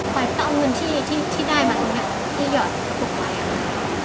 ก็เอาเงินที่ได้มาตรงนี้ที่หยอดกระปุกไว้